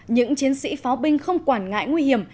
những chiến sĩ pháo binh không quản ngại nguy hiểm